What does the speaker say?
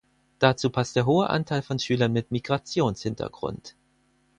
Dazu passt der hohe Anteil von Schülern mit Migrationshintergrund.